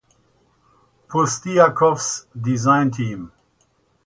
Pustyakov's design team.